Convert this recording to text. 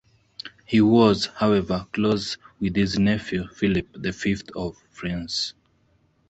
He was, however, close with his nephew Philip the Fifth of France.